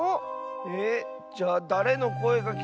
えじゃあだれのこえがきこえたの？